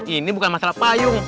ini bukan masalah payung